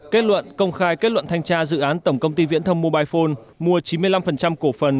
kết luận công khai kết luận thanh tra dự án tổng công ty viễn thông mobile phone mua chín mươi năm cổ phần